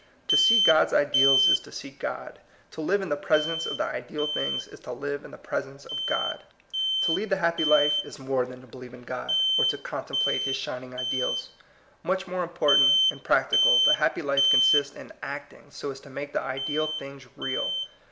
To see God's ideals is to see God; to live in the presence of the ideal things is to live in the presence of God. To lead the happy life is more than to THE HAPPY LIFE. 207 believe in God, or to contemplate his shin ing ideals. Much more important and prac tical, the happy life consists in acting so as to make the ideal things real.